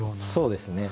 そうですね。